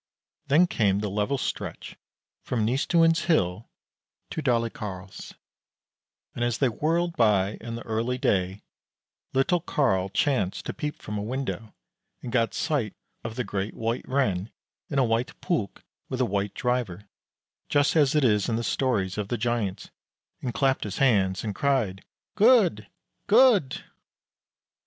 Then came the level stretch from Nystuen's hill to Dalecarl's, and as they whirled by in the early day, little Carl chanced to peep from a window, and got sight of the Great White Ren in a white pulk with a white driver, just as it is in the stories of the Giants, and clapped his hands, and cried, "Good, good!"